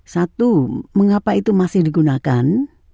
satu mengapa itu masih digunakan